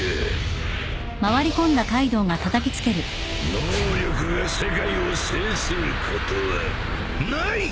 能力が世界を制することはない！